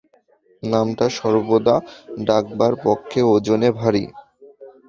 নামটা সর্বদা ডাকবার পক্ষে ওজনে ভারী।